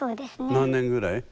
何年ぐらい？